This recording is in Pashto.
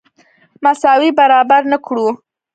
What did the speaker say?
مساوي برابر نه کړو.